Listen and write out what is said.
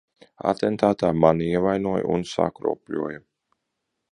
Atentātā mani ievainoja un sakropļoja.